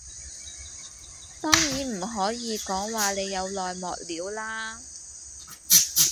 當然唔可以講話你有內幕料啦